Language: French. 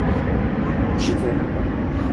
J'étais à deux pas.